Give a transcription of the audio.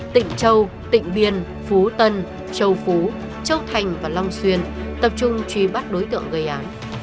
tỉnh châu tịnh biên phú tân châu phú châu thành và long xuyên tập trung truy bắt đối tượng gây án